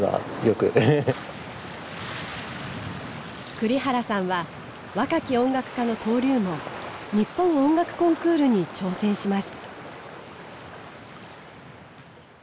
栗原さんは若き音楽家の登竜門日本音楽コンクールに挑戦します。